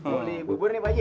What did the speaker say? mulai bubur nih pak haji